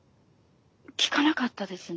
聞かなかったですね。